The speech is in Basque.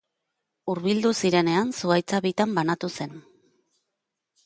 Hurbildu zirenean zuhaitza bitan banatu zen.